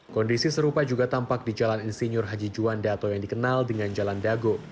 kondisi serupa juga tampak di jalan insinyur haji juanda atau yang dikenal dengan jalan dago